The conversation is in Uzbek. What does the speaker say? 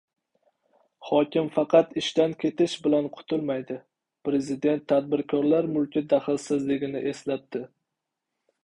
«Hokim faqat ishdan ketish bilan qutulmaydi» – Prezident tadbirkorlar mulki daxlsizligini eslatdi